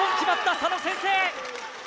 佐野先制！